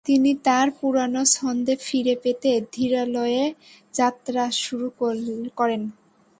তিনি তার পুরনো ছন্দে ফিরে পেতে ধীরলয়ে যাত্রা শুরু করেন।